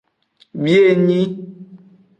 Bienyi.